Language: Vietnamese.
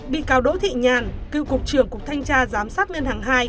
bị cáo đỗ thị nhàn cựu cục trưởng cục thanh tra giám sát ngân hàng hai